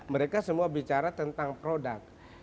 mereka semua bicara tentang produk